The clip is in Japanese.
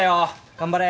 頑張れ。